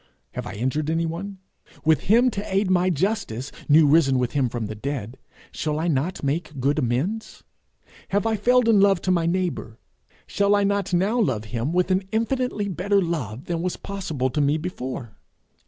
Have I injured anyone? With him to aid my justice, new risen with him from the dead, shall I not make good amends? Have I failed in love to my neighbour? Shall I not now love him with an infinitely better love than was possible to me before?